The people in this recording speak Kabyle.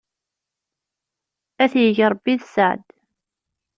Ad t-yegg rebbi d sseɛd.